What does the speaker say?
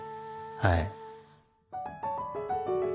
はい。